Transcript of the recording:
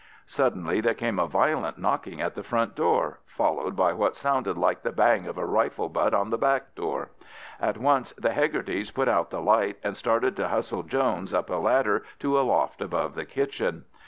Suddenly there came a violent knocking at the front door, followed by what sounded like the bang of a rifle butt on the back door. At once the Hegartys put out the light, and started to hustle Jones up a ladder to a loft above the kitchen.